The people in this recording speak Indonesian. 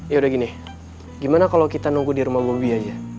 yaudah gini gimana kalo kita nunggu di rumah bobby aja